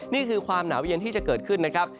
นี่คือความหนาวเย็นที่จะเกิดขึ้นนะครับ